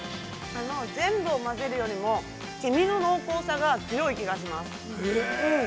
◆全部を混ぜるよりも、黄身の濃厚さが強い気がします。